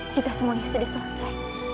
cita semuanya sudah selesai